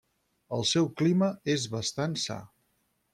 El seu clima és bastant sa.